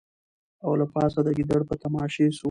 او له پاسه د ګیدړ په تماشې سو